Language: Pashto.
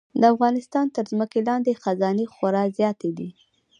د افغانستان تر ځمکې لاندې خزانې خورا زیاتې دي.